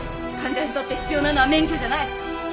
患者にとって必要なのは免許じゃない。